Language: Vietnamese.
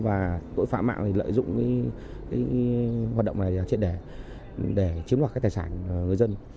và tội phạm mạng lợi dụng hoạt động này trên đề để chiếm đoạt tài sản người dân